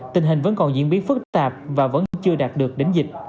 tình hình vẫn còn diễn biến phức tạp và vẫn chưa đạt được đến dịch